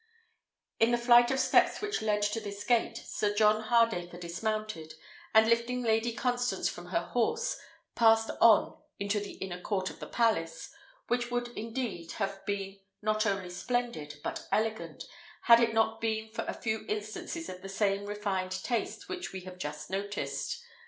At the flight of steps which led to this gate Sir John Hardacre dismounted, and lifting Lady Constance from her horse, passed on into the inner court of the palace, which would indeed have been not only splendid, but elegant, had it not been for a few instances of the same refined taste which we have just noticed.